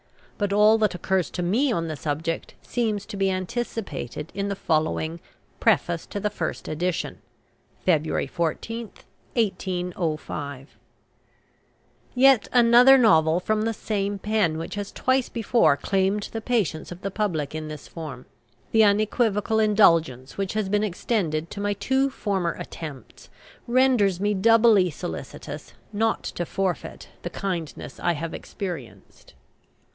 But all that occurs to me on the subject seems to be anticipated in the following PREFACE TO THE FIRST EDITION. February 14, 1805. Yet another novel from the same pen, which has twice before claimed the patience of the public in this form. The unequivocal indulgence which has been extended to my two former attempts, renders me doubly solicitous not to forfeit the kindness I have experienced.